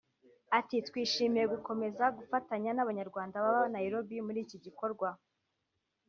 Ati “Twishimiye gukomeza gufatanya n’Abanyarwanda baba Nairobi muri iki gikorwa